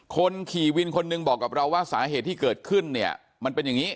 คนขี่วินคนหนึ่งบอกกับเราว่าสาเหตุที่เกิดขึ้นเนี่ยมันเป็นอย่างนี้